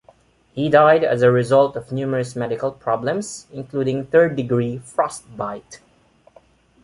He died as a result of numerous medical problems, including third-degree frostbite.